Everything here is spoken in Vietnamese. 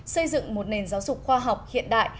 xây dựng một nền giáo dục khoa học hiện đại